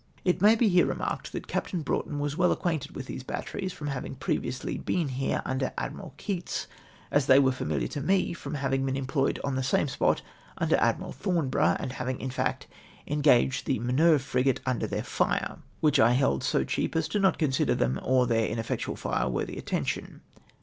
It may here be remarked that Captain Broughton was well acquainted with these batteries, from having previously been here under Admiral Keats, as they Avere familiar to me from having been employed on the same spot under Admiral Thornboroiigh, and having, in feet, engaged the Minerve frigate under their flref , which I held so cheap as not to consider them or their ineflectual fire worthy attention.